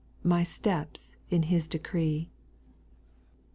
My steps in His decree.